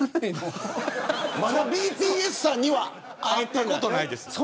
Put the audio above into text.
まだＢＴＳさんには会会ったことないです。